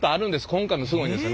今回もすごいんですよ。